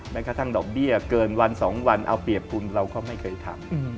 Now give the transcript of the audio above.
กระทั่งดอกเบี้ยเกินวัน๒วันเอาเปรียบคุณเราก็ไม่เคยทำ